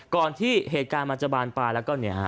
ก่อนที่เหตุการณ์มันจะบานปลายแล้วก็เนี่ยฮะ